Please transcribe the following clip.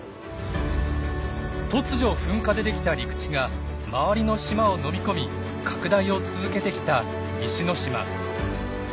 突如噴火でできた陸地が周りの島を飲み込み拡大を続けてきた西之島。